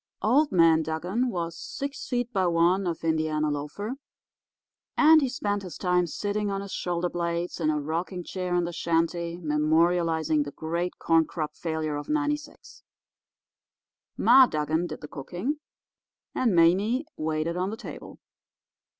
"Old Man Dugan was six feet by one of Indiana loafer, and he spent his time sitting on his shoulder blades in a rocking chair in the shanty memorialising the great corn crop failure of '96. Ma Dugan did the cooking, and Mame waited on the table.